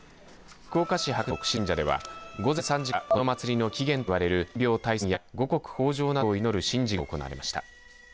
福岡市博多区の櫛田神社では午前３時からこの祭りの起源といわれる疫病退散や五穀豊じょうなどを祈る神事が行われました。